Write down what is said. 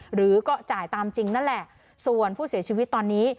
หรือก็จ่ายตามจริงนั่นแหละส่วนผู้เสียชีวิตตอนนี้